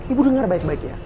ibu dengar baik baik ya